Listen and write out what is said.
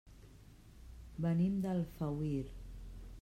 Venim d'Alfauir.